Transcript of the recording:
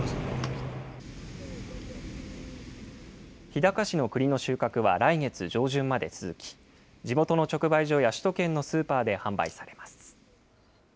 日高市のくりの収穫は来月上旬まで続き、地元の直売所や首都圏のスーパーで販売されます。